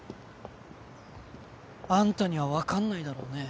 あんたには分かんないだろうね。